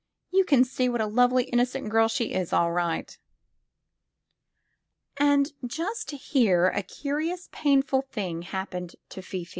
You can see what a lovely, innocent girl she is, all right." And just here a curious, painful thing happened to Fifi.